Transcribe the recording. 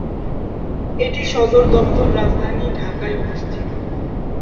এটি সদরদপ্তর রাজধানী ঢাকায় অবস্থিত।